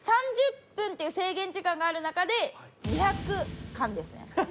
３０分っていう制限時間がある中で２００貫ですね。